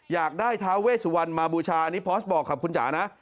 อยากได้ท้าเวสุวรรณมาบูชาอันนี้พอสบอกกับคุณจ๋านะ